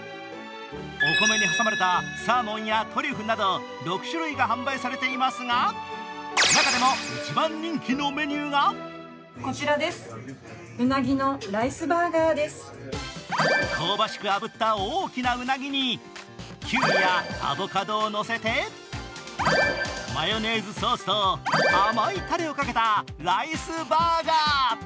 お米に挟まれたサーモンやトリュフなど６種類が販売されていますが中でも一番人気のメニューが香ばしくあぶった大きなうなぎにきゅうりやアボカドをのせてマヨネーズソースと甘いたれをかけたライスバーガー。